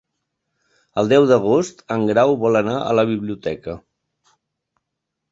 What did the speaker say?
El deu d'agost en Grau vol anar a la biblioteca.